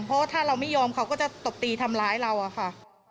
เพราะว่าถ้าเราไม่ยอมเขาก็จะตบตีทำร้ายเราอะค่ะ